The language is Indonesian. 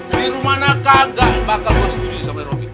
si rumana kagak bakal gua setuju sama robby